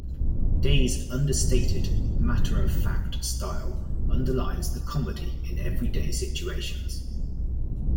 Day's understated, matter-of-fact style underlines the comedy in everyday situations.